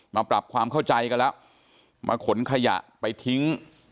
มาปรับความเข้าใจกันแล้วมาขนขยะไปทิ้ง